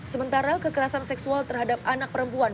sementara kekerasan seksual terhadap anak perempuan